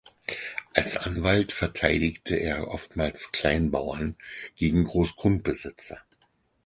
Als Anwalt verteidigte er oftmals Kleinbauern gegen Großgrundbesitzer.